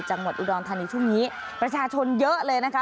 จังหวัดอุดรธานีช่วงนี้ประชาชนเยอะเลยนะคะ